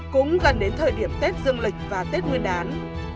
cũng gần đến thời điểm tết dương lịch và tết nguyên đán